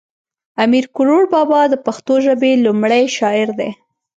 امیر کړوړ بابا د پښتو ژبی لومړی شاعر دی